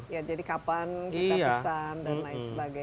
ya jadi kapan kita pesan dan lain sebagainya